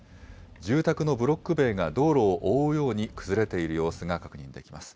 住宅のブロック塀が道路を覆うように崩れている様子が確認できます。